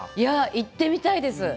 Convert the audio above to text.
行ってみたいです。